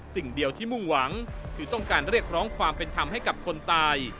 สิ่งเดียวที่มุ่งหวังคือต้องการเรียกร้องความเป็นธรรมให้กับคนตาย